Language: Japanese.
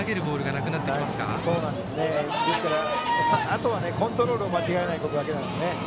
あとはコントロールを間違えないことだけですね。